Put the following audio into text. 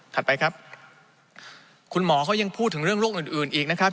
ไปครับคุณหมอเขายังพูดถึงเรื่องโรคอื่นอีกนะครับ